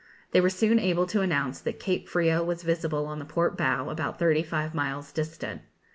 They were soon able to announce that Cape Frio was visible on the port bow, about thirty five miles distant.